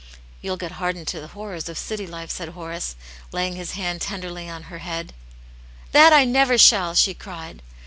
" You'll get hardened to the horrors of city life," said Horace, laying his hand tenderly on her head. " That I never shall 1" she cried.